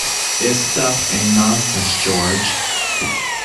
It's stuff and nonsense, George.